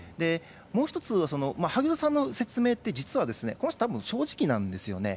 もう１つは萩生田さんの説明って実は、この人たぶん、正直なんですよね。